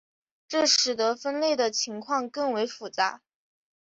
这使得分类的情况更为复杂。